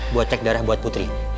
buat tek darah buat putri